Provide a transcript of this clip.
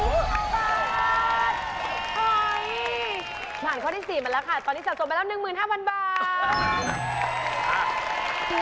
เฮ้ยผ่านข้อที่๔มันแล้วค่ะตอนนี้สะสมไปแล้ว๑หมื่น๕พันบาท